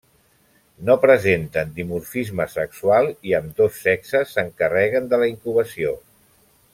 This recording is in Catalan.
No presenten dimorfisme sexual i ambdós sexes s'encarreguen de la incubació.